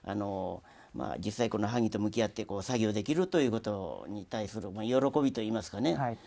実際、この版木と向き合って作業できるということに対する喜びといいますかね。